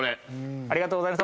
ありがとうございます。